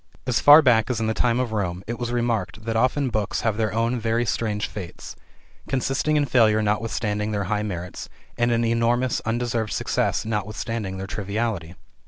As far back as in the time of Rome, it was remarked that often books have their own very strange fates: consisting in failure notwithstanding their high merits, and in enormous undeserved success notwithstanding their triviality.